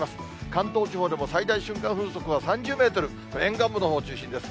関東地方でも最大瞬間風速は３０メートル、沿岸部のほう中心です。